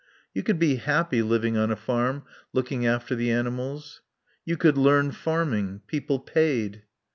You could be happy living on a farm, looking after the animals. You could learn farming. People paid.